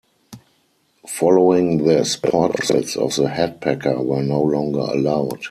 Following this, portraits of the head packer were no longer allowed.